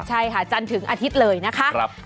ใช่ค่ะจันทร์ถึงอาทิตย์เลยนะคะ